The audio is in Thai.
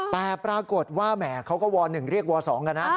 แต่ปรากฏว่าแหมเขาก็ว๑เรียกว๒กันนะ